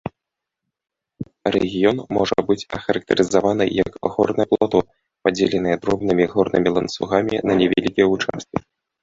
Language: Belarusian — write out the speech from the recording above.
Рэгіён можа быць ахарактарызаваны як горнае плато, падзеленае дробнымі горнымі ланцугамі на невялікія ўчасткі.